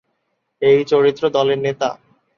এই চরিত্র দলের নেতা।